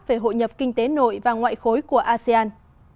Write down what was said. về hội nhập kinh tế nội và ngoại khối của asean